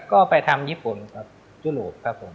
ก็ไปทำญี่ปุ่นกับยุโรปครับผม